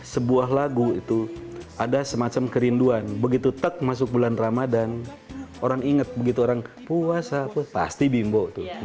sebuah lagu itu ada semacam kerinduan begitu tak masuk bulan ramadan orang inget begitu orang puasa pasti bimbo tuh